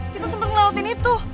kita sempet ngelawatin itu